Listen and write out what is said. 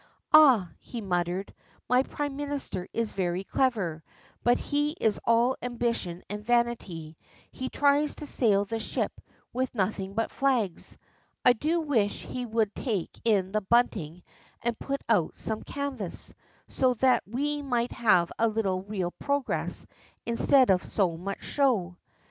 "Ah," he muttered, "my prime minister is very clever, but he is all ambition and vanity; he tries to sail the ship with nothing but flags. I do wish he would take in the bunting and put out some canvas, so that we might have a little real progress instead of so much show."